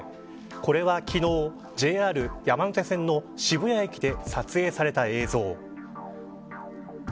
これは昨日、ＪＲ山手線の渋谷駅で撮影された映像。